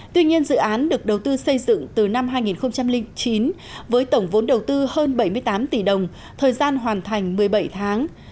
tuy nhiên dự án được đầu tư xây dựng từ năm hai nghìn chín với tổng vốn đầu tư hơn bảy mươi tám tỷ đồng thời gian hoàn thành một mươi bảy tháng